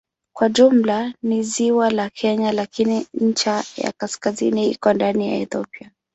Kwa jumla ni ziwa la Kenya lakini ncha ya kaskazini iko ndani ya Ethiopia.